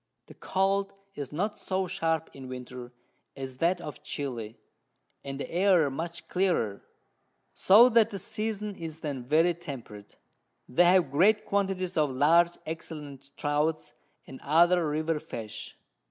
The Cold is not so sharp in Winter as that of Chili, and the Air much clearer, so that the Season is then very temperate: they have great Quantities of large excellent Trouts, and other River Fish.